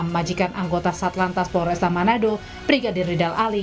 majikan anggota satu lantas poresta manado brigadir ridal ali